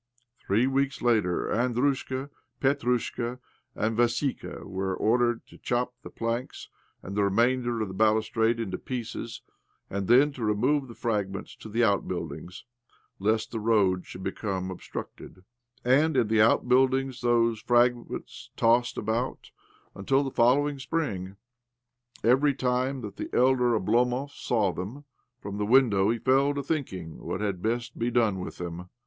Three weeks later Andrushka, Petrushka, and Vassika were ordered to chop the planks and the remainder of the balustrade in pieces, and then to remove the fragmients to the outbuildings, lest the road should become obstructed ; and in the outbuildings those fragments tossed about until the fol lowing spring. Every time that the elder Oblomov saw them from the window he fell to thinking what had best be done with them.